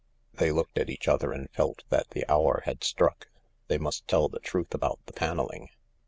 ." They looked at each other and felt that the hour had struck. They must tell the truth about the panelling.